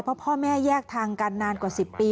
เพราะพ่อแม่แยกทางกันนานกว่า๑๐ปี